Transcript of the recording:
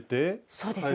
そうですね。